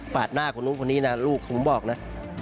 ปาดหน้าคนนี้นะลูกเขาคงบอกนะ